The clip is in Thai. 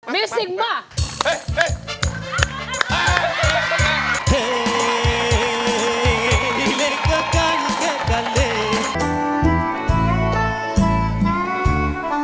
มีซินว่ะ